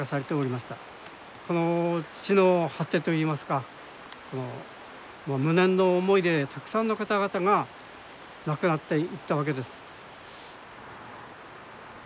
この地の果てといいますか無念の思いでたくさんの方々が亡くなっていったわけです。